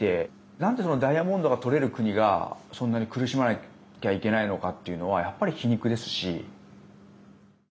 なんで、ダイヤモンドが採れる国が、そんなに苦しまなきゃいけないっていうのはやっぱり皮肉ですし。